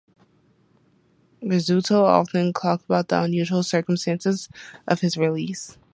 Rizzuto often talked about the unusual circumstances of his release.